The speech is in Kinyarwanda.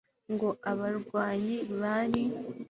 Ngo ababarwanya bali